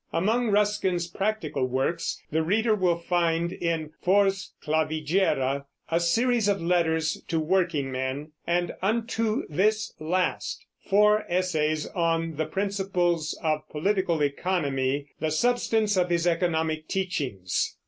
Among Ruskin's practical works the reader will find in Fors Clavigera, a series of letters to workingmen, and Unto This Last, four essays on the principles of political economy, the substance of his economic teachings.